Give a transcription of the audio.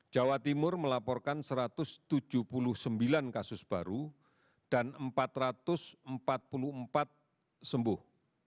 jawa timur melaporkan satu ratus tujuh puluh sembilan kasus baru dan empat ratus empat puluh empat sembuh